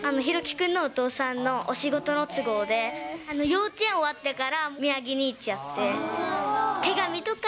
君のお父さんのお仕事の都合で、幼稚園終わってから宮城に行っちゃって。